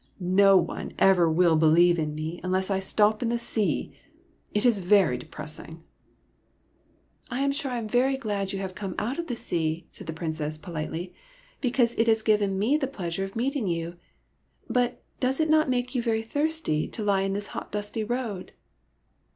" No one ever will believe in me unless I stop in the sea. It is very depressing !"*' I am sure I am very glad you have come out of the sea," said the Princess, politely, "because it has given me the pleasure of meet ing you. But does it not make you very thirsty to lie in this hot dusty road